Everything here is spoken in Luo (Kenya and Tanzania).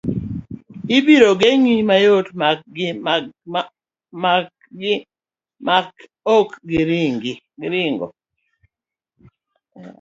Ibiro ng'egi mayot ma makgi ma ok giringo.